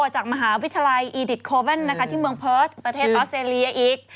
จากมหาวิทยาลัยอีดิตโคเว่นที่เมืองเพิร์สประเทศออสเตรเลียอีก